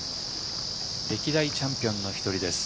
歴代チャンピオンの１人です。